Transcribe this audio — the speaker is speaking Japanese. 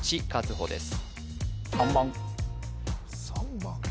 歩です